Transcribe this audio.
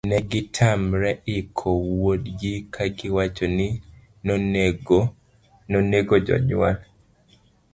negitamre iko wuodgi kagiwacho ni nonege. jonyuol